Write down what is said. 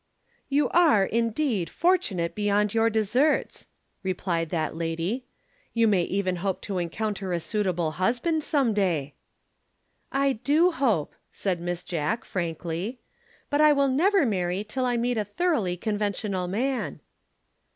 "You are, indeed, fortunate beyond your deserts," replied that lady. "You may even hope to encounter a suitable husband some day." "I do hope," said Miss Jack frankly. "But I will never marry till I meet a thoroughly conventional man."